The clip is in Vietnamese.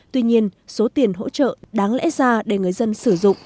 tuy nhiên số tiền hỗ trợ đáng lẽ ra để người dân sử dụng